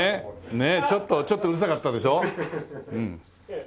ねえちょっとうるさかったでしょ？